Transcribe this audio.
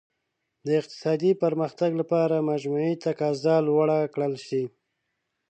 د اقتصادي پرمختګ لپاره مجموعي تقاضا لوړه کړل شي.